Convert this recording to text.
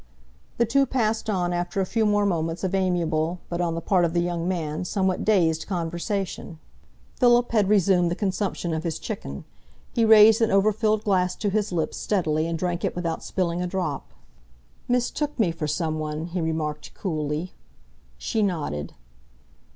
The two passed on after a few more moments of amiable but, on the part of the young man, somewhat dazed conversation. Philip had resumed the consumption of his chicken. He raised an over filled glass to his lips steadily and drank it without spilling a drop. "Mistook me for some one," he remarked coolly. She nodded.